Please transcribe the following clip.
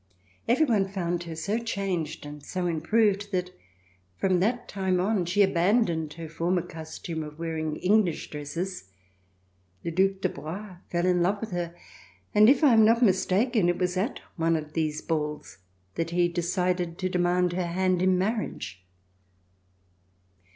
Every one found her so changed and so improved that from that time on she abandoned her former custom of wearing English dresses. The Due de Broglie fell in love with her, and, if I am not mistaken, it was at one of these balls that he decided to demand her hand in marriage.